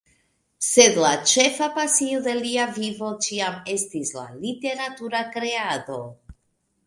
Sed la ĉefa pasio de lia vivo ĉiam estis la literatura kreado.